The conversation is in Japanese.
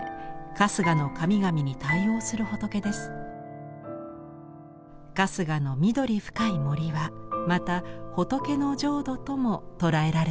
春日の緑深い森はまた仏の浄土とも捉えられていました。